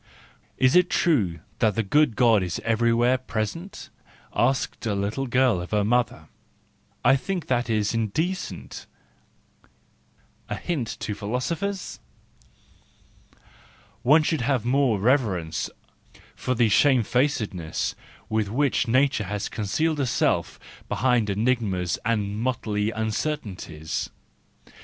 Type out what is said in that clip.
Is it true that the good God is everywhere present ?" asked a little girl of her mother: " I think that is indecent " :—a hint to philosophers! One should have more reverence for the shame¬ facedness with which nature has concealed herself behind enigmas and motley uncertainties.